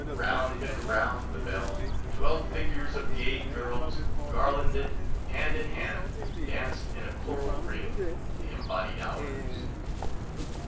Round and round the bell, twelve figures of gay girls, garlanded, hand in hand, danced in a choral ring—the embodied hours.